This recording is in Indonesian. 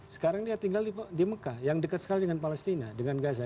sekarang dia tinggal di mekah yang dekat sekali dengan palestina dengan gaza